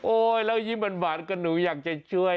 โอ้ยแล้วยิ่งบรรดาก็หนูอยากจะช่วย